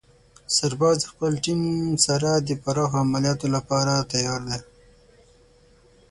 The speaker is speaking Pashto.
سرباز د خپلې ټیم سره د پراخو عملیاتو لپاره تیار دی.